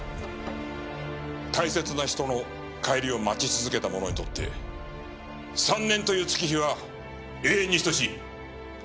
大切な人の帰りを待ち続けた者にとって３年という月日は永遠に等しい。